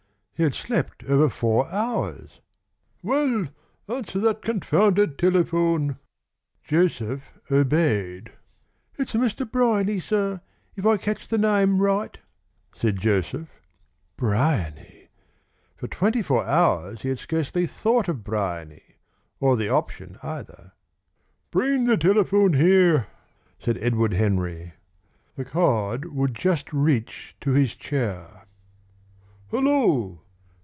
He had slept over four hours! "Well, answer that confounded telephone." Joseph obeyed. "It's a Mr. Bryany, sir, if I catch the name right," said Joseph. Bryany! For twenty four hours he had scarcely thought of Bryany, or the option either. "Bring the telephone here," said Edward Henry. The cord would just reach to his chair. "Hello!